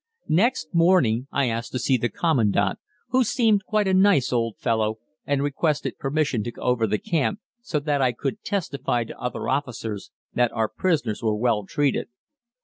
Next morning I asked to see the Commandant, who seemed quite a nice old fellow, and requested permission to go over the camp, so that I could testify to other officers that our prisoners were well treated.